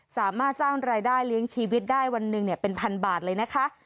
สามารถสร้างรายได้เลี้ยงชีวิตได้วันหนึ่งเป็นพันบาทเลยนะคะ